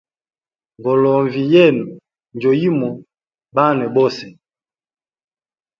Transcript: Ngolonvi yenu njo yimo banwe bose.